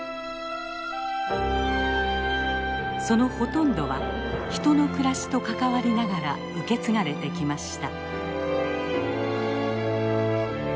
そのほとんどは人の暮らしと関わりながら受け継がれてきました。